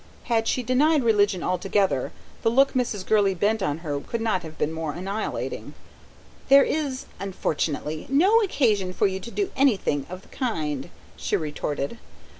Had she denied religion altogether, the look Mrs. Gurley bent on her could not have been more annihilating. "There is unfortunately! no occasion, for you to do anything of the kind," she retorted.